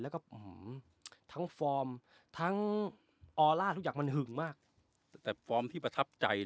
แล้วก็ทั้งฟอร์มทั้งออร่าทุกอย่างมันหึงมากแต่ฟอร์มที่ประทับใจ